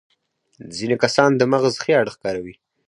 ځينې کسان د مغز ښي اړخ کاروي.